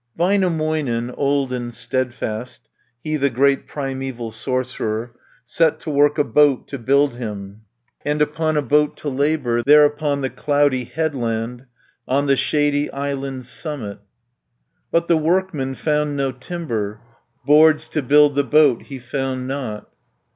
Väinämöinen, old and steadfast, He the great primeval sorcerer, Set to work a boat to build him, And upon a boat to labour, There upon the cloudy headland, On the shady island's summit. But the workman found no timber, Boards to build the boat he found not.